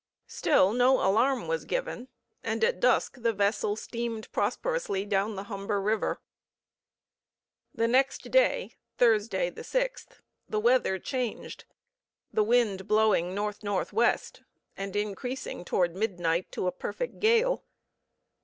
Still, no alarm was given, and at dusk the vessel steamed prosperously down the Humber River. The next day (Thursday, the 6th) the weather changed, the wind blowing N.N.W., and increasing toward midnight to a perfect gale.